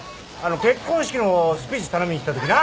結婚式のスピーチ頼みに来たときな。